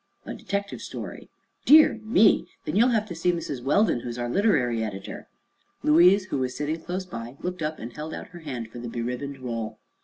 "A detective story." "Dear me! Then you'll have to see Mrs. Weldon, who is our literary editor." Louise, who was sitting close by, looked up and held out her hand for the beribboned roll.